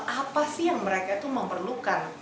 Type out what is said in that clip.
apa sih yang mereka tuh memerlukan